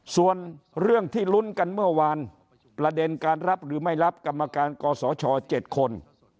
ส่วนเรื่องที่ลุ้นกันเมื่อวานประเด็นการรับหรือไม่รับกรรมการกศช๗คน